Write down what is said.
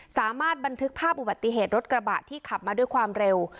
สามารถบันทึกภาพอุบัติเหตุรถกระบะที่ขับมาด้วยความเร็ว